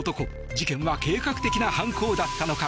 事件は計画的な犯行だったのか？